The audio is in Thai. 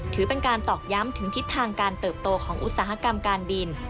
ถือเป็นการตอกย้ำถึงทิศทางการเติบโตของอุตสาหกรรมการบิน